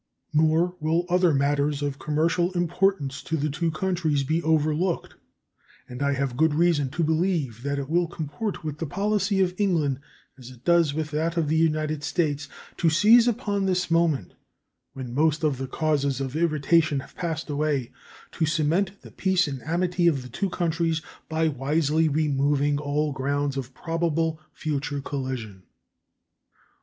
Nor will other matters of commercial importance to the two countries be overlooked, and I have good reason to believe that it will comport with the policy of England, as it does with that of the United States, to seize upon this moment, when most of the causes of irritation have passed away, to cement the peace and amity of the two countries by wisely removing all grounds of probable future collision.